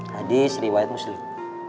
hadis riwayat muslim